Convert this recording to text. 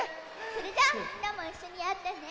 それじゃあみんなもいっしょにやってね！